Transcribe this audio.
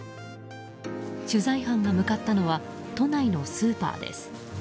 取材班が向かったのは都内のスーパーです。